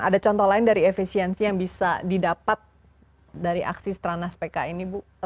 ada contoh lain dari efisiensi yang bisa didapat dari aksi stranas pk ini bu